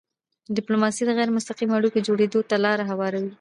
ډیپلوماسي د غیری مستقیمو اړیکو جوړېدو ته لاره هواروي.